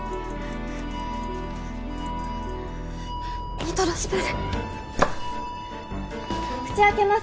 ニトロスプレー口開けます